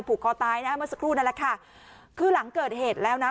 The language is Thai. คอตายนะเมื่อสักครู่นั่นแหละค่ะคือหลังเกิดเหตุแล้วนะ